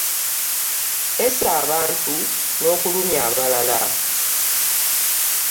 Esse abantu n'okulumya abalala.